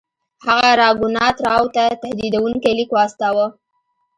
هغه راګونات راو ته تهدیدونکی لیک واستاوه.